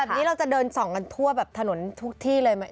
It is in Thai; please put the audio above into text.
แบบนี้เราจะเดินส่องกันทั่วแบบถนนทุกที่เลยไหม